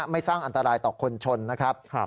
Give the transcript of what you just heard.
ไม่สร้างอันตรายต่อคนชนนะครับ